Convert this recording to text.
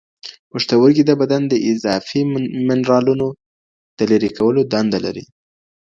پښتورګي د بدن د اضافي منرالونو د لرې کولو دنده لري.